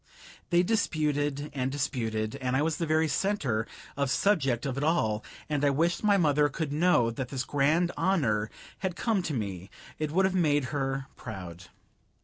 They disputed and disputed, and I was the very center of subject of it all, and I wished my mother could know that this grand honor had come to me; it would have made her proud.